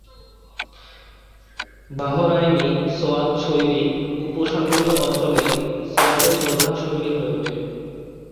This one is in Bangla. বাহরাইনি সোয়াত শৈলী উপসাগরীয় অঞ্চলে সোয়াতের প্রধান শৈলী হয়ে ওঠে।